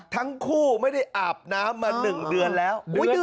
ทั้งคู่ไม่ได้อาบน้ำมา๑เดือนแล้ว